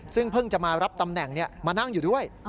ซึ่งเพิ่งจะมารับตำแหน่งมานั่งอยู่ด้วย